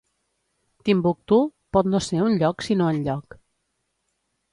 "Timbuktú" pot no ser un lloc sinó enlloc.